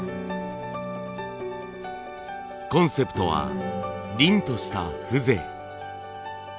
コンセプトは凛とした風情。